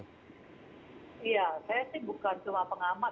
iya saya sih bukan cuma pengamat